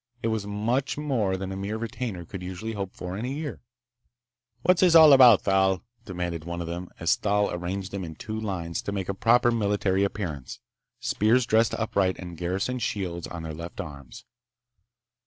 It was much more than a mere retainer could usually hope for in a year. "What's this all about, Thal?" demanded one of them as Thal arranged them in two lines to make a proper military appearance, spears dressed upright and garrison shields on their left arms.